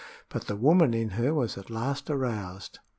But the woman in her was at last aroused.